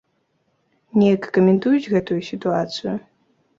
Неяк каментуюць гэтую сітуацыю?